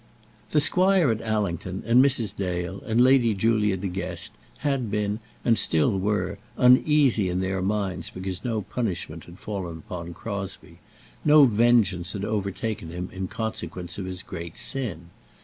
The squire at Allington, and Mrs. Dale, and Lady Julia De Guest, had been, and still were, uneasy in their minds because no punishment had fallen upon Crosbie, no vengeance had overtaken him in consequence of his great sin.